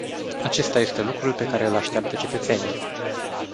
Acesta este lucrul pe care îl așteaptă cetățenii.